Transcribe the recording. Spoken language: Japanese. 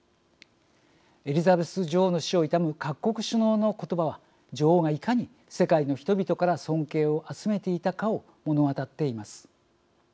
エリザベス女王の死を悼む各国首脳の言葉は女王がいかに世界の人々から尊敬を集めていたかを物語っています。